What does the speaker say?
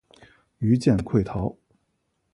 余舰溃逃。